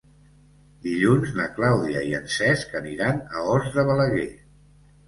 Dilluns na Clàudia i en Cesc aniran a Os de Balaguer.